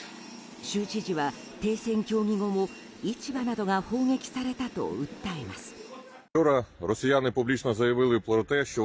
州知事は停戦協議後も市場などが砲撃されたと訴えます。